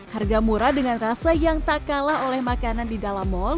harga murah dengan rasa yang tak kalah oleh makanan di dalam mal